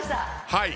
はい。